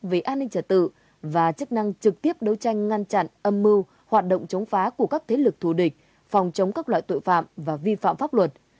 về an ninh trật tự và chức năng trực tiếp đấu tranh ngăn chặn âm mưu hoạt động chống phá của các thế lực thù địch phòng chống các loại tội phạm và vi phạm pháp luật